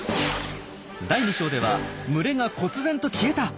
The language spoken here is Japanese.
第２章では群れがこつ然と消えた！